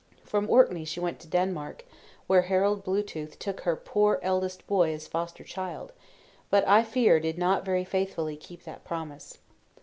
From Orkney she went to Denmark, where Harald Blue tooth took her poor eldest boy as foster child; but I fear did not very faithfully keep that promise.